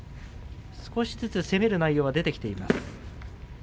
少しずつ攻める内容が出てきています。